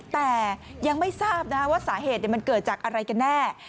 แต่ยังไม่ทราบว่าสาเหตุมันเกิดจากอะไรกันแน่